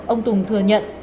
ông tùng thừa nhận